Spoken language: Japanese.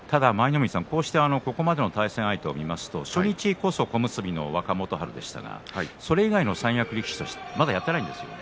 ここまでの対戦相手を見ますと初日こそ小結の若元春でしたがそれ以外の三役力士とはまだやっていないんですよね。